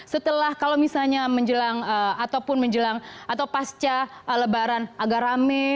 setelah kalau misalnya menjelang atau pasca lebaran agak rame